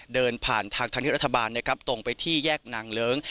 เดินผ่านทางที่รัฐบาลนะครับตรงไปที่แยกนางเลิ้ง